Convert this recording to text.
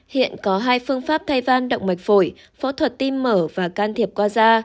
hiện có hai phương pháp thay van động mạch phổi phẫu thuật tim mở và can thiệp qua da